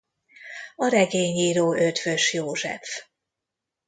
A regényíró Eötvös József.